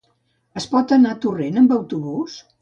Es pot anar a Torrent amb autobús?